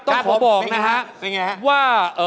ต้องผมบอกนะครับว่า